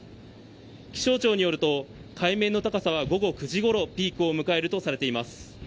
気象庁によると、海面の高さは午後９時ごろピークを迎えるとされています。